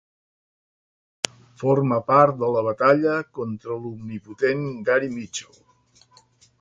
Forma part de la batalla contra l'omnipotent Gary Mitchell.